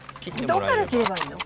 どこから切ればいいの？